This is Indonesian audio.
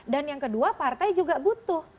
dan yang kedua partai juga butuh